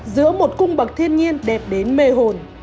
giữa một cung bậc thiên nhiên đẹp đến mê hồn